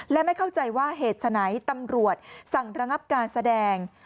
และไม่เข้าใจว่าเหตุฉะไหนตำรวจสั่งระงับการแสดง